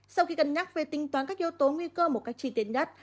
sau khi cân nhắc về tinh toán các yếu tố nguy cơ một cách chi tiết nhất